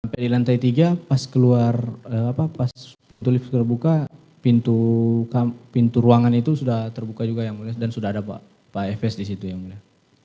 sampai di lantai tiga pas keluar pas pintu lift terbuka pintu ruangan itu sudah terbuka juga yang mulia dan sudah ada pak efes di situ yang mulia